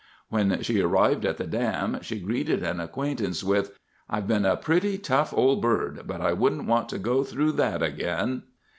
When she arrived at the dam, she greeted an acquaintance with, "I've been a pretty tough old bird, but I wouldn't want to go through that again!"